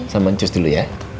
sama cus dulu ya